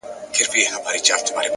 • څپلۍ د اوسپني په پښو کړو پېشوا ولټوو,